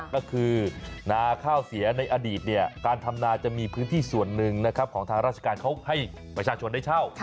ก็คือนาข้าวเสียในอดีตการทำนาจะมีพื้นที่ส่วนหนึ่งนะครับของทางราชการเขาให้ประชาชนได้เช่า